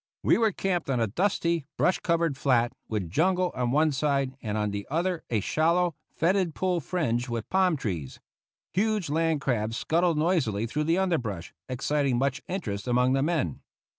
We were camped on a dusty, brush covered flat, with jungle on one side, and on the other a shallow, fetid pool fringed with palm trees. Huge land crabs scuttled noisily through the underbrush, exciting much interest among the men.